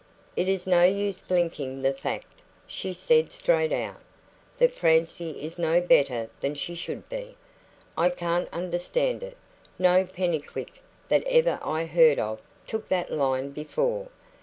"It is no use blinking the fact," she said straight out, "that Francie is no better than she should be. I can't understand it; no Pennycuick that ever I heard of took that line before.